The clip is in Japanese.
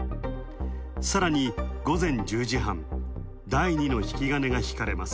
さらに、午前１０時半、第２の引き金がひかれます。